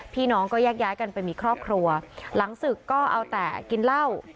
พี่น้องก็แยกย้ายกันไปมีครอบครัวหลังศึกก็เอาแต่กินเหล้า